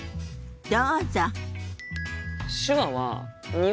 どうぞ。